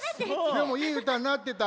でもいいうたになってた。